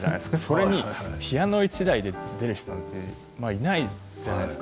それにピアノ１台で出る人なんていないじゃないですか。